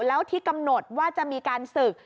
แล้วที่กำหนดว่าจะมีการศึก